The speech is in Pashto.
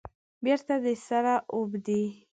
بیرته د سره اوبدي